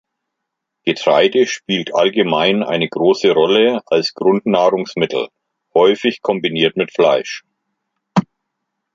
Getreide spielt allgemein eine große Rolle als Grundnahrungsmittel, häufig kombiniert mit Fleisch.